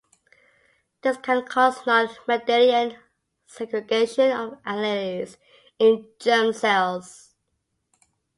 This can cause non-Mendelian segregation of alleles in germ cells.